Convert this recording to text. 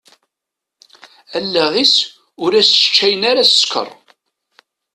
Allaɣ-is, ur as-sseččayen ara ssekker.